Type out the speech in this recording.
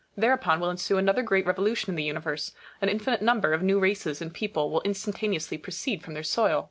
Thereupon will ensue another great revolution in the Universe : an infinite number of new races and people will instantaneously proceed from their soil, like mushrooms.